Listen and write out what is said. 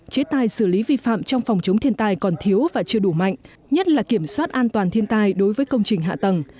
chế tài xử lý vi phạm trong phòng chống thiên tai còn thiếu và chưa đủ mạnh nhất là kiểm soát an toàn thiên tai đối với công trình hạ tầng